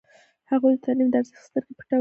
هغوی د تعلیم د ارزښت سترګې پټولې.